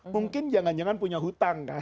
mungkin jangan jangan punya hutang kan